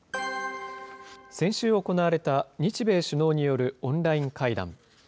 先週行われた、日米首脳によるオンライン会談。